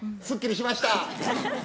すっきりしました。